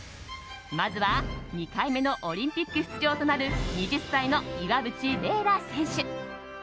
まずは２回目のオリンピック出場となる２０歳の岩渕麗楽選手。